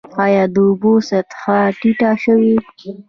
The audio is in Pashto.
آیا د اوبو سطحه ټیټه شوې؟